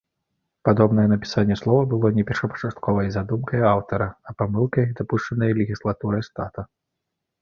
Падобнае напісанне слова было не першапачатковай задумкай аўтара, а памылкай, дапушчанай легіслатурай штата.